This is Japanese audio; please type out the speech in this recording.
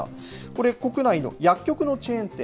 これ国内の薬局のチェーン店。